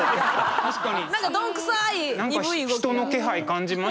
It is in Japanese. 確かに。